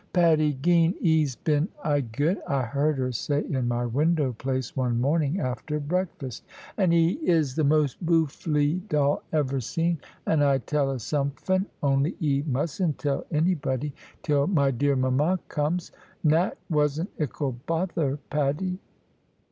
"Patty Geen, 'e's been aye good," I heard her say in my window place, one morning after breakfast; "and 'e is the most boofely doll ever seen, and I tell 'a sompfin; only 'e musn't tell anybody, till my dear mama comes. Nat wasn't ickle bother, Patty."